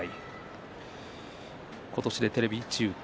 今年でテレビ中継